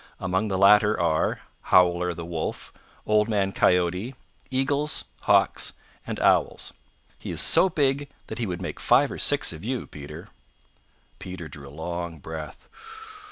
Among the latter are Howler the Wolf, Old Man Coyote, Eagles, Hawks and Owls. He is so big that he would make five or six of you, Peter." Peter drew a long breath.